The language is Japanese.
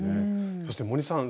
そして森さん